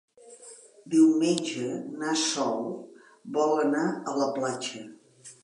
Diumenge na Sol vol anar a la platja.